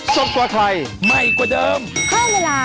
สวัสดีค่ะ